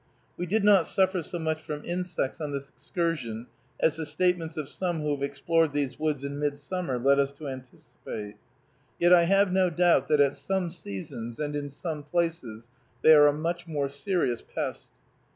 We did not suffer so much from insects on this excursion as the statements of some who have explored these woods in midsummer led us to anticipate. Yet I have no doubt that at some seasons and in some places they are a much more serious pest.